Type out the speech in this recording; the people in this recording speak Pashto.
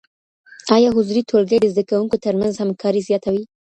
ايا حضوري ټولګي د زده کوونکو ترمنځ همکاري زیاتوي؟